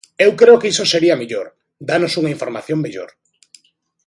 E eu creo que iso sería mellor, dános unha información mellor.